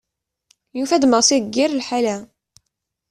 Yufa-d Massi deg yir lḥala.